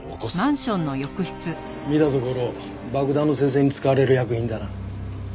見たところ爆弾の生成に使われる薬品だな。